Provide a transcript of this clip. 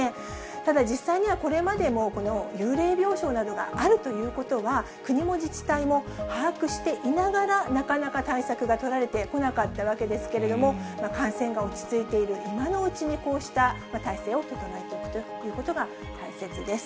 ただ、実際にはこれまでも幽霊病床などがあるということは、国も自治体も把握していながら、なかなか対策が取られてこなかったわけですけれども、感染が落ち着いている今のうちに、こうした体制を整えておくということが大切です。